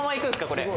これ。